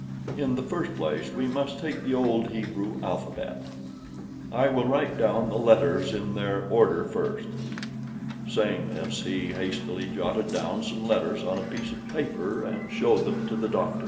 "In the first place we must take the old Hebrew alphabet. I will write down the letters in their order first." Saying this he hastily jotted down some letters on a piece of paper, and showed to the doctor the following: Labials.